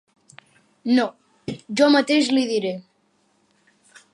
No, jo mateix l'hi diré.